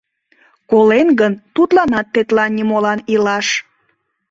Колен гын, тудланат тетла нимолан илаш.